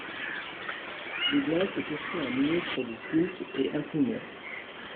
Douglas est aussi un ministre du culte et imprimeur.